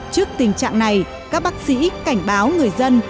trước tình trạng này các bác sĩ cảnh báo người dân